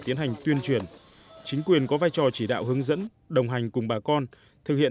tiến hành tuyên truyền chính quyền có vai trò chỉ đạo hướng dẫn đồng hành cùng bà con thực hiện